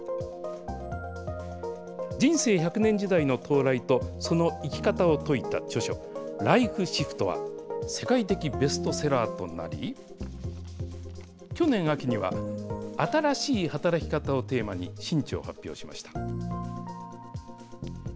人生１００年時代の到来と、その生き方を説いた著書、ＬＩＦＥＳＨＩＦＴは、世界的ベストセラーとなり、去年秋には、新しい働き方をテーマに新著を発表しました。